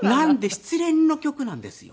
失恋の曲なんですよ」。